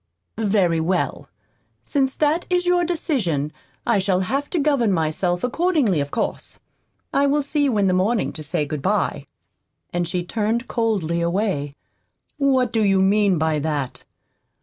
"Very well. Since that is your decision I shall have to govern myself accordingly, of course. I will see you in the morning to say good bye." And she turned coldly away. "What do you mean by that?"